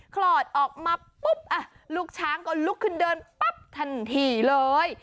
คลอดออกมาปุ๊บลูกช้างก็ลุกขึ้นเดินปั๊บทันทีเลย